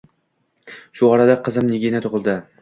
Shu orada qizim Nigina tug`ildi